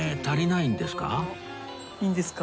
いいんですか？